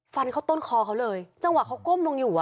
ฟันเข้าต้นคอเขาเลยจังหวะเขาก้มลงอยู่อ่ะ